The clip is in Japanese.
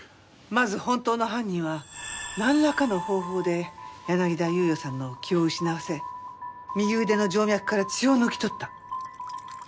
まず本当の犯人はなんらかの方法で柳田裕也さんの気を失わせ右腕の静脈から血を抜き取った。